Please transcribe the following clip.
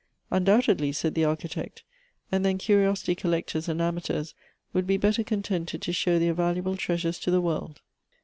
" Undoubtedly," said the Architect ;" and then curiosity collectors and amateurs would be better contented to show their valuable treasures to the world."